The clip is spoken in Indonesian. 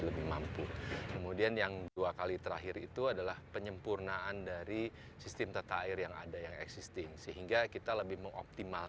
sehingga ketahanan kita agak lebih bertambah